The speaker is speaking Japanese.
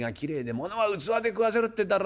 ものは器で食わせるってえだろ？